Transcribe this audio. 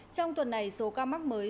trong tuần này số ca mắc mới